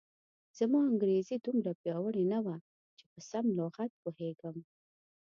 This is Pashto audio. زما انګریزي دومره پیاوړې نه وه چې په سم لغت و پوهېږم.